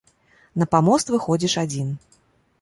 На памост выходзіш адзін.